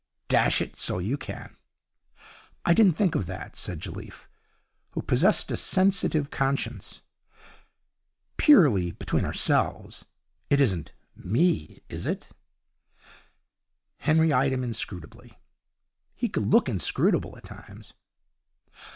'Dash it, so you can. I didn't think of that,' said Jelliffe, who possessed a sensitive conscience. 'Purely between ourselves, it isn't me, is it?' Henry eyed him inscrutably. He could look inscrutable at times.